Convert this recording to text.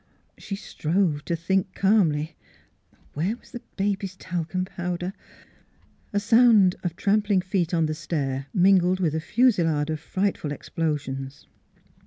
She strove to think calmly. ... Where was the baby's talcum powder? A sound of trampling feet on the stair mingled with a fusillade of frightful explosions.